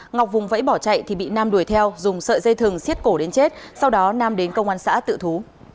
ngọc vùng vẫy bỏ chạy thì bị nam đuổi theo dùng sợi dây thừng xiết cổ đến chết sau đó nam đến công an xã tự thú